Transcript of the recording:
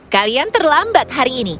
kalian terlambat hari ini